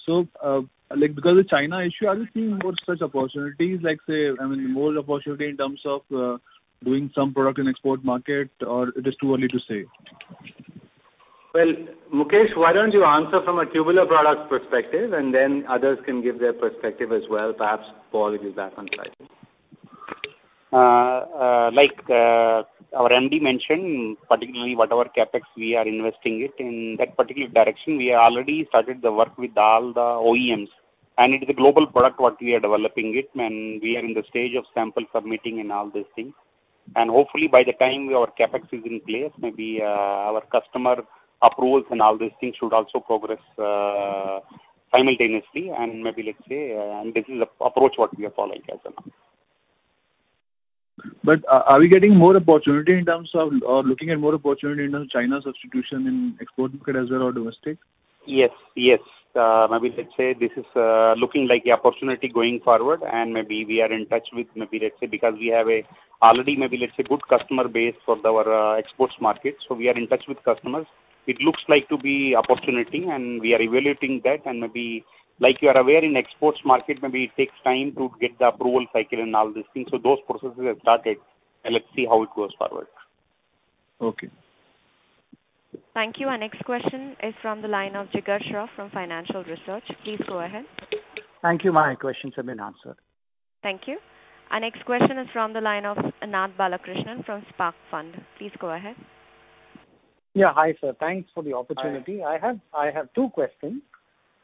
Because of the China issue, are you seeing more such opportunities, like say, more opportunity in terms of doing some product in export market, or it is too early to say? Well, Mukesh, why don't you answer from a tubular products perspective, and then others can give their perspective as well. Perhaps Paul is back on the line. Like our MD mentioned, particularly whatever CapEx we are investing it in that particular direction. We already started the work with all the OEMs. It is a global product, what we are developing it, and we are in the stage of sample submitting and all those things. Hopefully by the time our CapEx is in place, maybe our customer approvals and all those things should also progress simultaneously, and this is the approach we are following as well. Are we getting more opportunity or looking at more opportunity in terms of China substitution in export market as well, or domestic? Yes. Maybe let's say this is looking like a opportunity going forward and maybe we are in touch with, because we have already a good customer base for our exports market, so we are in touch with customers. It looks like to be opportunity, and we are evaluating that and maybe, like you are aware in exports market, maybe it takes time to get the approval cycle and all those things. Those processes have started, and let's see how it goes forward. Okay. Thank you. Our next question is from the line of Jigar Shroff from Financial Research. Please go ahead. Thank you. My questions have been answered. Thank you. Our next question is from the line of Anand Balakrishnan from Spark Fund. Please go ahead. Yeah. Hi, sir. Thanks for the opportunity. Hi. I have two questions.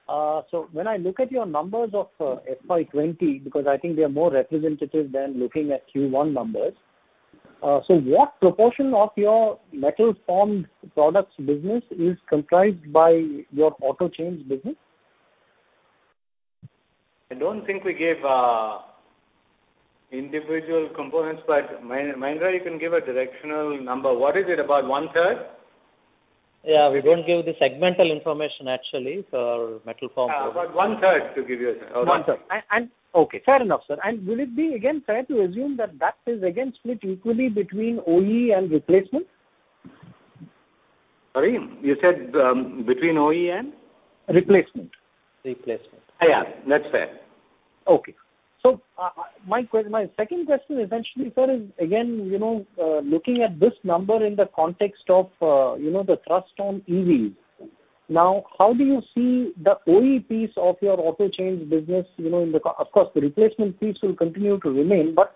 When I look at your numbers of FY 2020, because I think they are more representative than looking at Q1 numbers. What proportion of your metal formed products business is comprised by your auto chain business? I don't think we gave individual components, but Mahendra, you can give a directional number. What is it, about 1/3? Yeah, we don't give the segmental information, actually. About 1/3, to give you One third. Okay. Fair enough, sir. Will it be again fair to assume that is again split equally between OE and replacement? Sorry, you said between OEM and? Replacement. Replacement. Yeah, that's fair. My second question essentially, sir, is again, looking at this number in the context of the thrust on EVs. How do you see the OE piece of your auto chain business? Of course, the replacement piece will continue to remain, but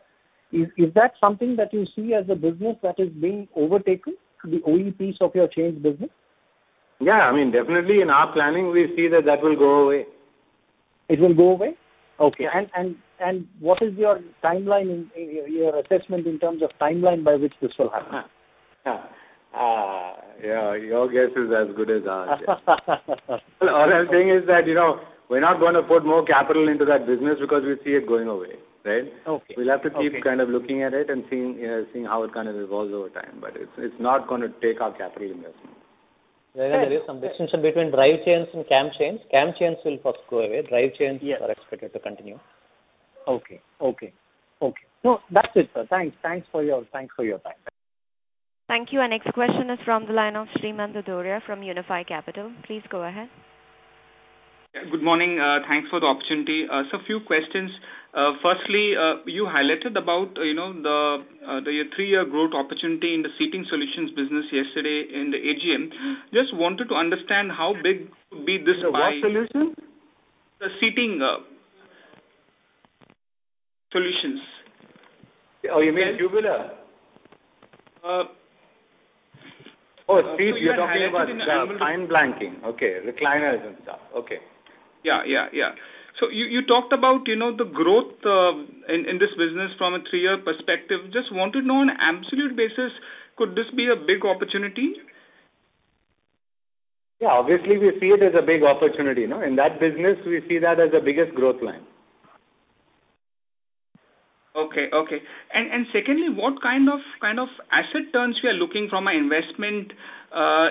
is that something that you see as a business that is being overtaken, the OE piece of your auto chain business? Yeah, definitely in our planning, we see that will go away. It will go away? Okay. What is your assessment in terms of timeline by which this will happen? Yeah, your guess is as good as ours. All I'm saying is that, we're not going to put more capital into that business because we see it going away. Okay. We'll have to keep looking at it and seeing how it evolves over time, but it's not going to take our capital investment. There is some distinction between drive chains and cam chains. Cam chains will first go away. Drive chains are expected to continue. Okay. No, that's it, sir. Thanks for your time. Thank you. Our next question is from the line of Sreemant Dudhoria from Unifi Capital. Please go ahead. Good morning. Thanks for the opportunity. Sir, few questions. Firstly, you highlighted about the three-year growth opportunity in the seating solutions business yesterday in the AGM. Just wanted to understand how big could be this by- What solution? The seating solutions. Oh, you mean tubular? Oh, seats. You're talking about-. We were highlighting in the annual report. Fine blanking. Okay. Recliners and stuff. Okay. Yeah. You talked about the growth in this business from a three-year perspective. Just want to know on an absolute basis, could this be a big opportunity? Yeah. Obviously, we see it as a big opportunity. In that business, we see that as the biggest growth line. Okay. Secondly, what kind of asset turns we are looking from our investment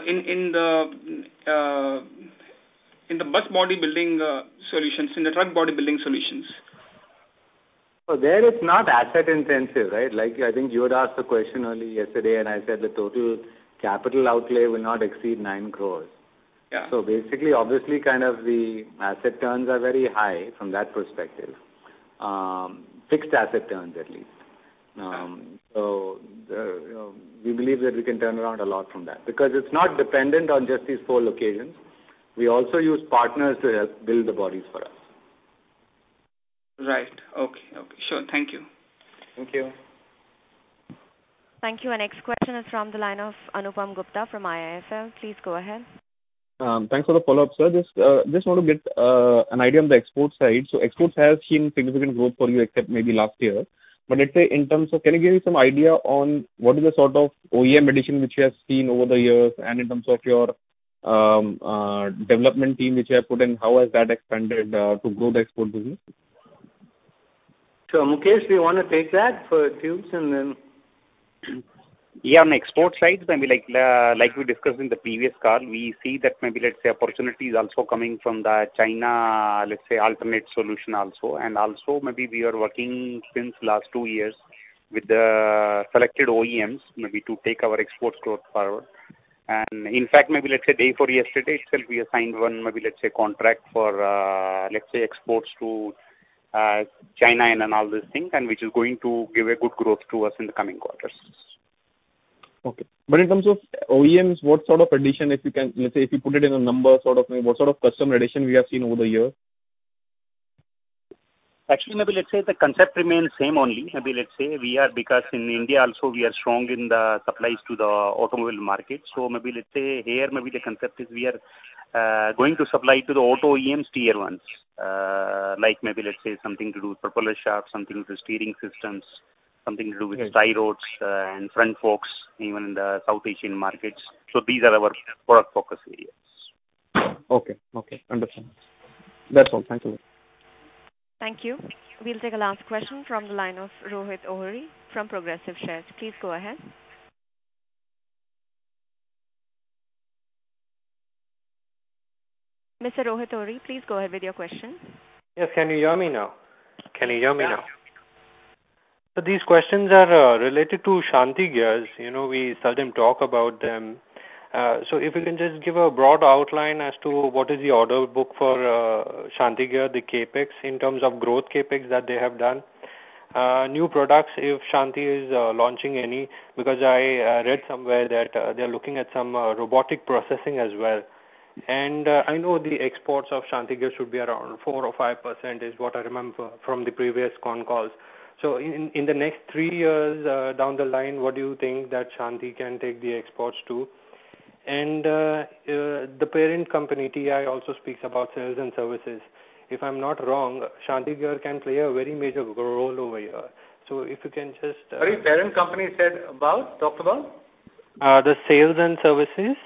in the bus body building solutions, in the truck body building solutions? There, it's not asset-intensive. I think you had asked the question earlier yesterday, and I said the total capital outlay will not exceed 9 crores. Yeah. Basically, obviously, the asset turns are very high from that perspective. Fixed asset turns, at least. Okay. We believe that we can turn around a lot from that, because it's not dependent on just these four locations. We also use partners to help build the bodies for us. Right. Okay, sure. Thank you. Thank you. Thank you. Our next question is from the line of Anupam Gupta from IIFL. Please go ahead. Thanks for the follow-up, sir. Exports has seen significant growth for you except maybe last year. Let's say, in terms of, can you give me some idea on what is the sort of OEM addition which you have seen over the years, and in terms of your development team which you have put in, how has that expanded to grow the export business? Mukesh, do you want to take that for tubes and then. Yeah, on export side, maybe like we discussed in the previous call, we see that maybe, let's say, opportunities also coming from the China, let's say, alternate solution also. Also maybe we are working since last two years with the selected OEMs, maybe to take our exports growth forward. In fact, maybe, let's say, day before yesterday itself, we have signed one, maybe, let's say, contract for, let's say, exports to China and all these things, which is going to give a good growth to us in the coming quarters. Okay. In terms of OEMs, what sort of addition, if you can, let's say, if you put it in a number sort of way, what sort of customer addition we have seen over the years? Actually, maybe, let's say, the concept remains same only. Maybe, let's say, we are, because in India also, we are strong in the supplies to the automobile market. Maybe, let's say, here, maybe the concept is we are going to supply to the auto OEMs Tier 1s. Like maybe, let's say, something to do with propeller shafts, something to do with steering systems, something to do with tie rods and front forks, even in the South Asian markets. These are our product focus areas. Okay. Understood. That's all. Thank you very much. Thank you. We'll take a last question from the line of Rohit Ohri from Progressive Shares. Please go ahead. Mr. Rohit Ohri, please go ahead with your question. Yes, can you hear me now? Yeah. These questions are related to Shanthi Gears. We seldom talk about them. If you can just give a broad outline as to what is the order book for Shanthi Gears, the CapEx in terms of growth CapEx that they have done. New products, if Shanthi is launching any, because I read somewhere that they're looking at some robotic processing as well. I know the exports of Shanthi Gears should be around 4% or 5%, is what I remember from the previous con calls. In the next three years down the line, what do you think that Shanthi can take the exports to? The parent company, TI, also speaks about sales and services. If I'm not wrong, Shanthi Gears can play a very major role over here. If you can just. Sorry, parent company said about, talked about? The sales and services,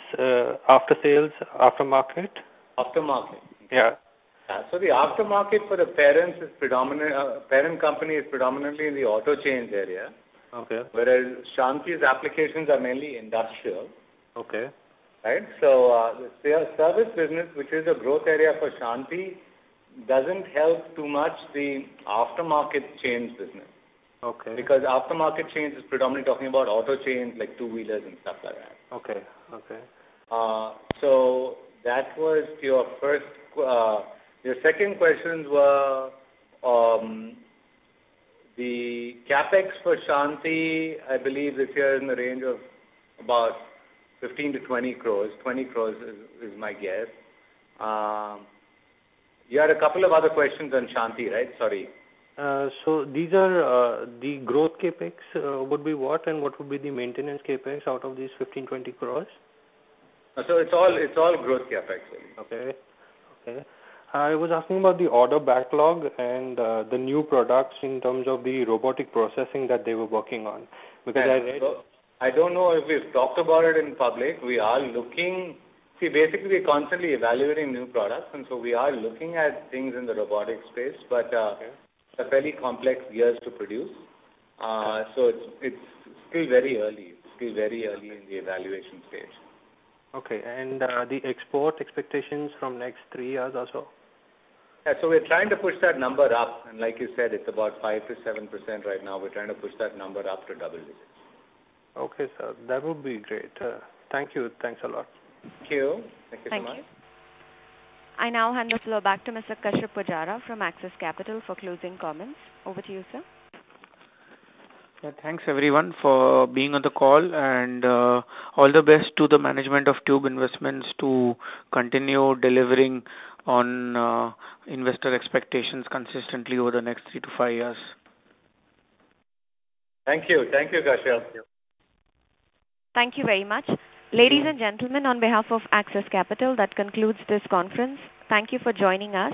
after-sales, aftermarket. Aftermarket. Yeah. The aftermarket for the parent company is predominantly in the auto chain area. Okay. Whereas Shanthi's applications are mainly industrial. Okay. Their service business, which is a growth area for Shanthi, doesn't help too much the aftermarket chain business. Okay. Aftermarket chain is predominantly talking about auto chain, like two-wheelers and stuff like that. Okay. That was your first. Your second questions were the CapEx for Shanthi, I believe it is in the range of about 15-20 crores. 20 crores is my guess. You had a couple of other questions on Shanthi, right? Sorry. These are the growth CapEx, would be what, and what would be the maintenance CapEx out of these 15 crore-20 crore? It's all growth CapEx really. Okay. I was asking about the order backlog and the new products in terms of the robotic processing that they were working on. I don't know if we've talked about it in public. See, basically, we're constantly evaluating new products, and so we are looking at things in the robotic space, but they're fairly complex gears to produce. Okay. It is still very early in the evaluation stage. Okay, the export expectations from next three years or so? Yeah. We're trying to push that number up, and like you said, it's about 5%-7% right now. We're trying to push that number up to double digits. Okay, sir. That would be great. Thank you. Thanks a lot. Thank you. Thank you so much. Thank you. I now hand the floor back to Mr. Kashyap Pujara from Axis Capital for closing comments. Over to you, sir. Yeah. Thanks everyone for being on the call, and all the best to the management of Tube Investments to continue delivering on investor expectations consistently over the next three to five years. Thank you, Kashyap. Thank you very much. Ladies and gentlemen, on behalf of Axis Capital, that concludes this conference. Thank you for joining us.